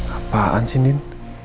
apaan sih din